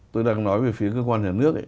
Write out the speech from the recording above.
tôi đang nói về phía cơ quan nhà nước